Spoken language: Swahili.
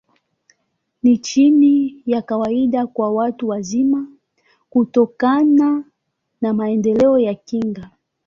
Ni chini ya kawaida kwa watu wazima, kutokana na maendeleo ya kinga.